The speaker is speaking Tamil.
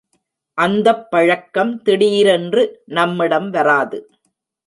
அந்தப் பழக்கம் திடீரென்று நம்மிடம் வராது.